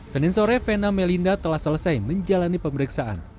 senin sore vena melinda telah selesai menjalani pemeriksaan